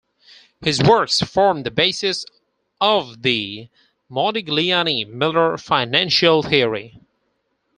His works formed the basis of the "Modigliani-Miller Financial Theory".